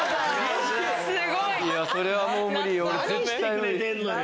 すごい。それはもう無理よ。